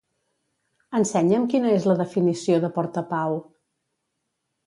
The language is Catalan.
Ensenya'm quina és la definició de portapau.